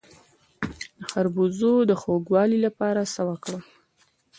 د خربوزو د خوږوالي لپاره څه وکړم؟